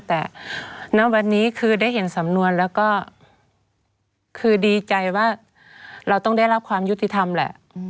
แต่ณวันนี้คือได้เห็นสำนวนแล้วก็คือดีใจว่าเราต้องได้รับความยุติธรรมแหละ